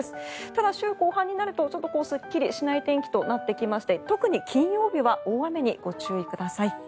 ただ、週後半になるとすっきりしない天気となってきまして特に金曜日は大雨にご注意ください。